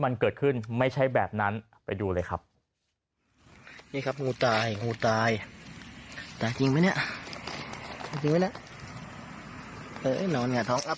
มันเกิดขึ้นไม่ใช่แบบนั้นไปดูเลยครับก็ให้ครับหูตายหูตายจังไหมเนี่ย